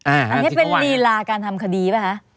อันนี้เป็นลีลาการทำคดีป่ะคะ